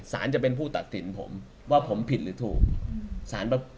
จะเป็นผู้ตัดสินผมว่าผมผิดหรือถูกสาร